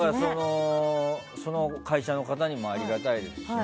その会社の方にもありがたいですしね。